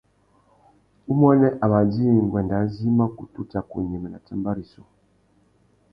Umuênê a mà djï nguêndê azê i mà kutu tsaka unyêmê nà tsámbá rissú.